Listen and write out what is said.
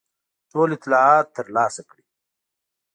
ټول اطلاعات ترلاسه کړي.